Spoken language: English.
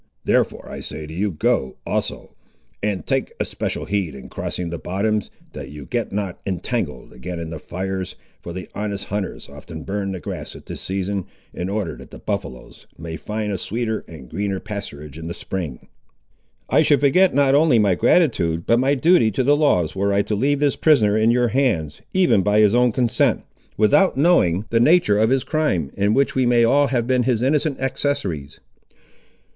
Therefore I say to you, go, also; and take especial heed, in crossing the bottoms, that you get not entangled again in the fires, for the honest hunters often burn the grass at this season, in order that the buffaloes may find a sweeter and a greener pasturage in the spring." "I should forget not only my gratitude, but my duty to the laws, were I to leave this prisoner in your hands, even by his own consent, without knowing the nature of his crime, in which we may have all been his innocent accessaries."